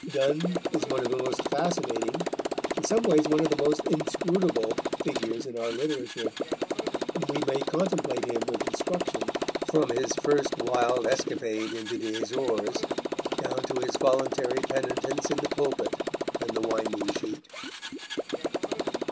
Donne is one of the most fascinating, in some ways one of the most inscrutable, figures in our literature, and we may contemplate him with instruction from his first wild escapade into the Azores down to his voluntary penitence in the pulpit and the winding sheet.